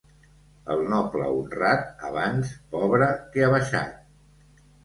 El noble honrat abans pobre que abaixat.